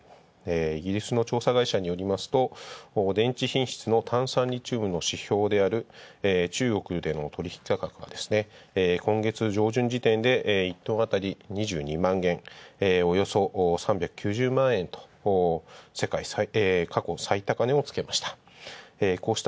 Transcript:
イギリスの調査会社によりますと電池品質のタンサンリチウムの指標である中国での取引価格は今月上旬で１とあたり２２万円、およそ３９０万円と過去最高値をつけました。